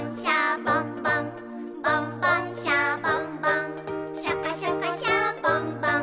「ボンボン・シャボン・ボンシャカシャカ・シャボン・ボン」